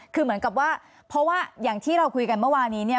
คือเหมือนกับว่าเพราะว่าอย่างที่เราคุยกันเมื่อวานี้เนี่ย